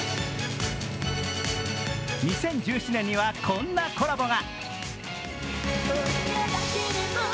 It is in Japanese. ２０１７年にはこんなコラボが。